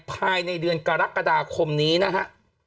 ภายในเดือนกรกฎาคมนี้นะฮะ